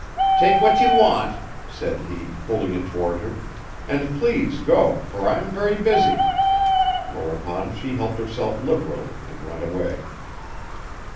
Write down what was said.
'Take what you want,' said he, holding it toward her, 'and please go for I am very busy.' Whereupon she helped herself liberally and went away.